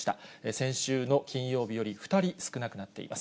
先週の金曜日より２人少なくなっています。